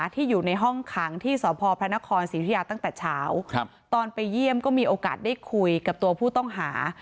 ที่อยู่ในห้องขังที่สพพระนครศรีอุทิยาตั้งแต่เช้าตอนไปเยี่ยมก็มีโอกาสได้คุยกับตัวผู้ต้องหา